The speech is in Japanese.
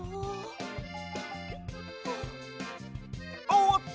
おっと！